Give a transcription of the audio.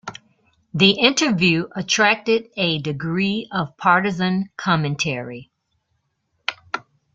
The interview attracted a degree of partisan commentary.